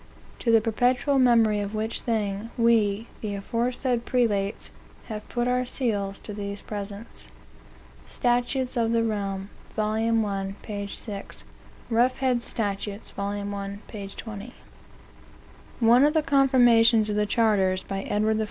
To the perpetual memory of which thing, We, the aforesaid Prelates, have put our seals to these presents." Statutes of the Realm, vol. 1, p. 6. Ruffhead's Statutes, vol. 1, p. 20. One of the Confirmations of the Charters, by Edward I.